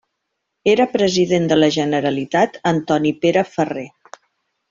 Era President de la Generalitat Antoni Pere Ferrer.